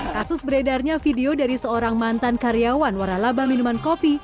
kasus beredarnya video dari seorang mantan karyawan waralaba minuman kopi